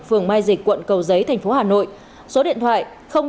phường mai dịch quận cầu giấy tp hà nội số điện thoại chín một sáu bảy bảy bảy bảy sáu bảy